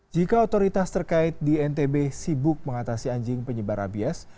jika otoritas terkait di ntb sibuk mengatasi anjing penyebar rabies